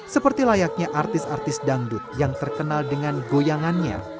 seperti layaknya artis artis dangdut yang terkenal dengan goyangannya